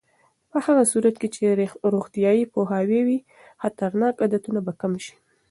په هغه صورت کې چې روغتیایي پوهاوی وي، خطرناک عادتونه به کم شي.